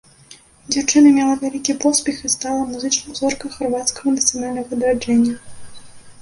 Дзяўчына мела вялікі поспех і стала музычнай зоркай харвацкага нацыянальнага адраджэння.